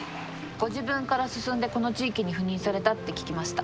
ご自分から進んでこの地域に赴任されたって聞きました。